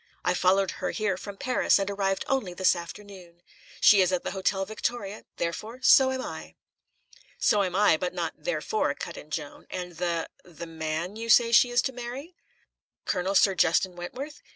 I followed her here from Paris, and arrived only this afternoon. She is at the Hotel Victoria; therefore, so am I." "So am I, but not 'therefore,'" cut in Joan. "And the the man you say she is to marry?" "Colonel Sir Justin Wentworth?